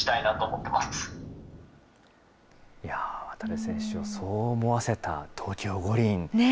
渡部選手をそう思わせた東京五輪。